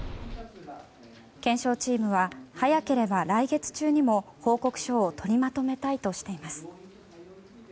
検証チームは早ければ来月中にも報告書を取りまとめたいとしています。